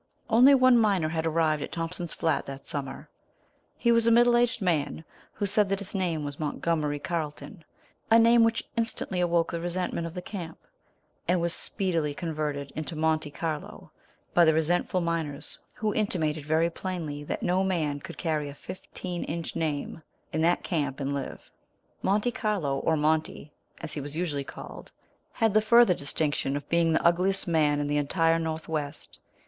Only one miner had arrived at Thompson's Flat that summer. He was a middle aged man who said that his name was Montgomery Carleton a name which instantly awoke the resentment of the camp, and was speedily converted into "Monte Carlo" by the resentful miners, who intimated very plainly that no man could carry a fifteen inch name in that camp and live. Monte Carlo, or Monty, as he was usually called, had the further distinction of being the ugliest man in the entire north west.